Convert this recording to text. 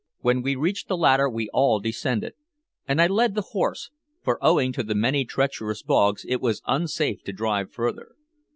When we reached the latter we all descended, and I led the horse, for owing to the many treacherous bogs it was unsafe to drive further.